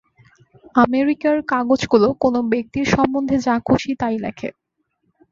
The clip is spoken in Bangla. আমেরিকার কাগজগুলো কোন ব্যক্তির সম্বন্ধে যা খুশী তাই লেখে।